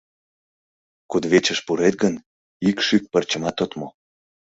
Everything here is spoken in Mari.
Кудывечыш пурет гын, ик шӱк пырчымат от му.